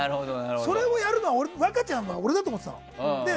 それをやるのは若ちゃんと俺だと思ってたの。